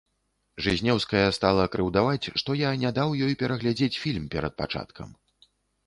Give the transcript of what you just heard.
Жызнеўская стала крыўдаваць, што я не даў ёй пераглядзець фільм перад пачаткам.